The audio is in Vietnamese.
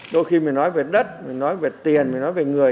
đôi khi mình nói về đất mình nói về tiền mình nói về người